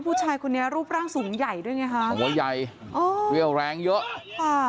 ผู้ชายคนนี้รูปร่างสูงใหญ่ด้วยไงโหยเรี่ยวแรงเยอะ